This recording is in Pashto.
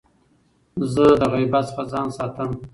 زه له غیبت څخه ځان ساتم.